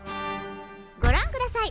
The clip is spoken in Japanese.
ご覧ください。